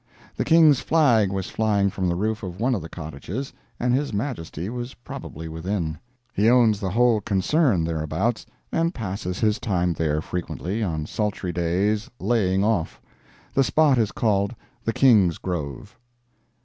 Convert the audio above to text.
The King's flag was flying from the roof of one of the cottages, and His Majesty was probably within. He owns the whole concern thereabouts, and passes his time there frequently, on sultry days "laying off." The spot is called "The King's Grove."